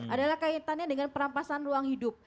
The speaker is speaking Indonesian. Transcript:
adalah kaitannya dengan perampasan ruang hidup